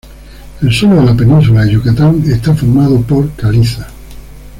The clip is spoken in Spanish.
El suelo de la Península de Yucatán está formado por calizas.